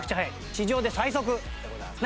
地上で最速でございますね。